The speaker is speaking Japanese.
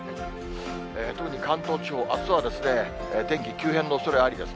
特に関東地方、あすは天気急変のおそれありです。